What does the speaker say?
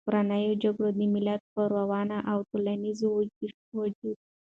کورنیو جګړو د ملت پر روان او ټولنیز وجود ژور ټپونه پرېښي دي.